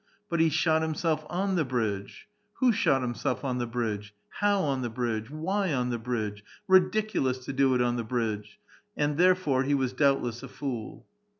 But he shot himself on tlie bridge. Who shot himself on the bridge ? How on the bridge ? Why on the bridge ? Ridiculous to do it on the bridge ! and, there fore, he was doubtless a fool.